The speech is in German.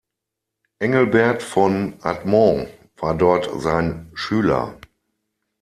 Engelbert von Admont war dort sein Schüler.